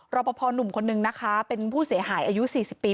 รอปภหนุ่มคนนึงนะคะเป็นผู้เสียหายอายุ๔๐ปี